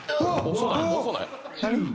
遅ない？」